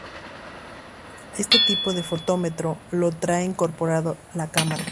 Este tipo de fotómetro lo trae incorporado la cámara.